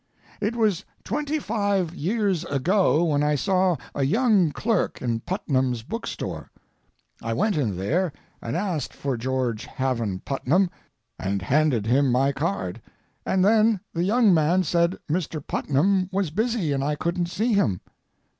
It was twenty five years ago when I saw a young clerk in Putnam's bookstore. I went in there and asked for George Haven Putnam, and handed him my card, and then the young man said Mr. Putnam was busy and I couldn't see him.